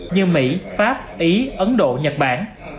như mỹ pháp ý ấn độ nhật bản